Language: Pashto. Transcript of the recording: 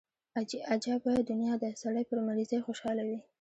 عجبه دنيا ده سړى پر مريضۍ خوشاله وي.